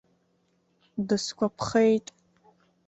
Дысгәаԥхеит.